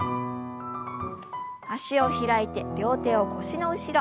脚を開いて両手を腰の後ろ。